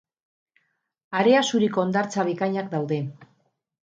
Harea zuriko hondartza bikainak daude.